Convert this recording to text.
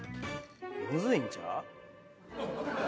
むずいんちゃう？